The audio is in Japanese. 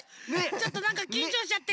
ちょっとなんかきんちょうしちゃって。